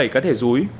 ba mươi bảy cá thể rúi